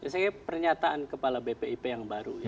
saya kira pernyataan kepala bpip yang baru ya